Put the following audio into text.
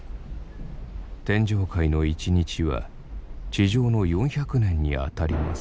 「天上界の一日は地上の４００年にあたります」。